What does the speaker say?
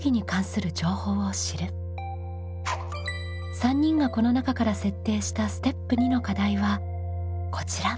３人がこの中から設定したステップ２の課題はこちら。